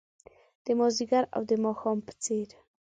د مازدیګر او د ماښام په څیرې